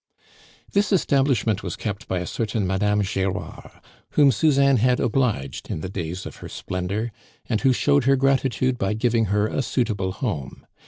This establishment was kept by a certain Madame Gerard, whom Suzanne had obliged in the days of her splendor, and who showed her gratitude by giving her a suitable home.